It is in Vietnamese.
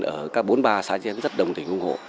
ở các bốn ba xã diện rất đồng tình ủng hộ